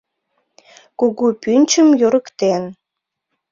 Кугу пӱнчым йӧрыктен.